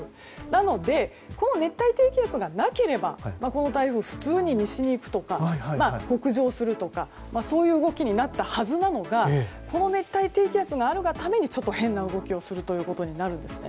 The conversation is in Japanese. なので、熱帯低気圧がなければこの台風、普通に西に行くとか北上するとかそういう動きになったはずなのがこの熱帯低気圧があるがためにちょっと変な動きをするということです。